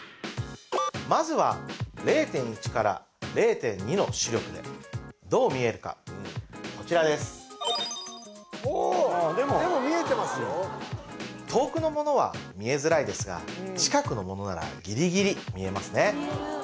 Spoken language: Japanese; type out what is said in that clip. まずは０．１から０．２の視力でどう見えるかこちらですですが近くのものならギリギリ見えますね